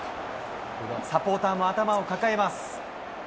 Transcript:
サポーターも頭を抱えます。